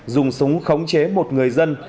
dùng súng khống chế một người dân